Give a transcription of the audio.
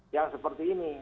yang seperti ini